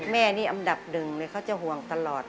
แม่นี่อันดับหนึ่งเลยเขาจะห่วงตลอด